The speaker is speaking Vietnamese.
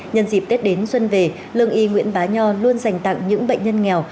nhân dịp tết đến xuân về lương y nguyễn bá nho luôn dành tặng những bệnh nhân nghèo